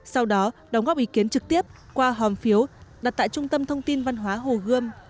sau đó đóng góp ý kiến trực tiếp qua hòm phiếu đặt tại trung tâm thông tin văn hóa hồ gươm